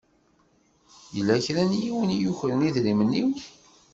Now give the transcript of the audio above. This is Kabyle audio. Yella kra n yiwen i yukren idrimen-iw.